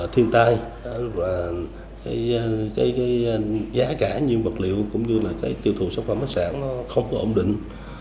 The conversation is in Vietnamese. thiên tai và cái giá cả nhiên vật liệu cũng như là cái tiêu thụ sản phẩm bất sản nó không có ổn định